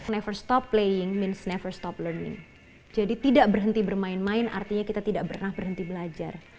never stop playing mins never stop learning jadi tidak berhenti bermain main artinya kita tidak pernah berhenti belajar